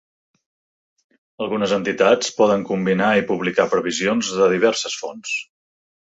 Algunes entitats poden combinar y publicar previsions de diverses fonts.